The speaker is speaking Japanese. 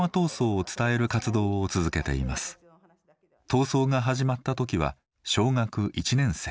闘争が始まった時は小学１年生。